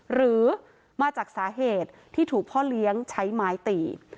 หรือมาจากสาเหตุที่ถูกพ่อเลี้ยงใช้ไม้ตี